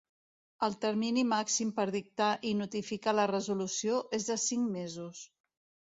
El termini màxim per dictar i notificar la resolució és de cinc mesos.